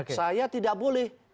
saya tidak boleh